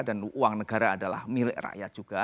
dan uang negara adalah milik rakyat juga